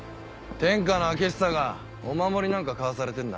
天下の開久がお守りなんか買わされてんだ。